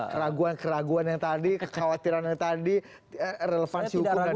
keraguan keraguan yang tadi kekhawatiran yang tadi relevansi hukum dan ham